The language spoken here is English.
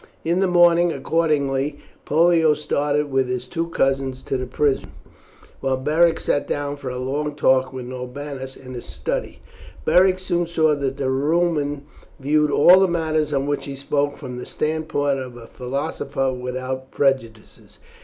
In the morning, accordingly, Pollio started with his two cousins to the prison, while Beric sat down for a long talk with Norbanus in his study. Beric soon saw that the Roman viewed all the matters on which he spoke from the standpoint of a philosopher without prejudices.